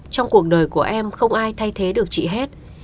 trong cuộc đời của em không ai thay thế được chị hết